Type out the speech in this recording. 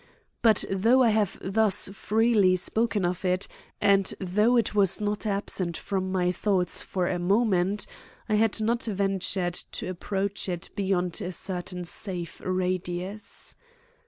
But though I have thus freely spoken of it, and though it was not absent from my thoughts for a moment, I had not ventured to approach it beyond a certain safe radius.